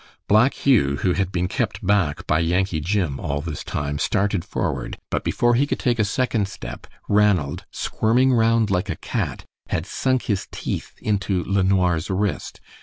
Black Hugh, who had been kept back by Yankee Jim all this time, started forward, but before he could take a second step Ranald, squirming round like a cat, had sunk his teeth into LeNoir's wrist.